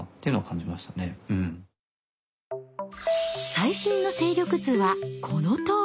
最新の勢力図はこのとおり。